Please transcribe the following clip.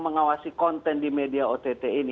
mengawasi konten di media ott ini